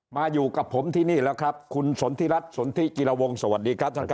มาอยู่กับผมที่นี่แล้วครับคุณสนทิรัฐสนทิกิรวงสวัสดีครับท่านครับ